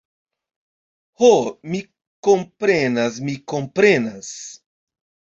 Ho, mi komprenas, mi komprenas.